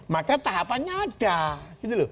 maka tahapannya ada